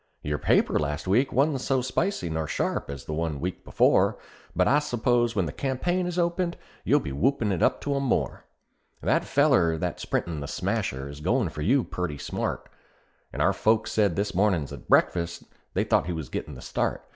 Your paper last week wa'n't so spicy nor sharp as the one week before: But I s'pose when the campaign is opened, you'll be whoopin' it up to 'em more. That feller that's printin' The Smasher is goin' for you perty smart; And our folks said this mornin' at breakfast, they thought he was gettin' the start.